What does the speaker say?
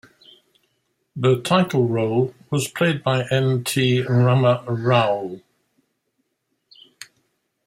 The title role was played by N. T. Rama Rao.